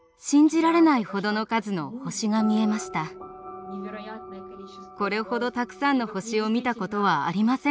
これほどたくさんの星を見たことはありませんでした。